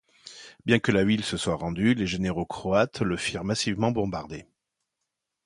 Bien que la ville se soit rendue, les généraux croates la firent massivement bombarder.